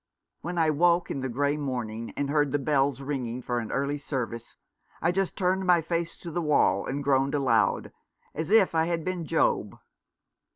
When I woke in the grey morning and heard the bells ringing for an early service I just turned my face to the wall and groaned aloud, as if I had been Job."